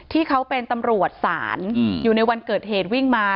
ที่เขาเป็นตำรวจศาลอยู่ในวันเกิดเหตุวิ่งมา